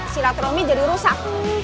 silat romi jadi rusak